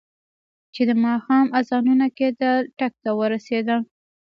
چې د ماښام اذانونه کېدل، ټک ته ورسېدم.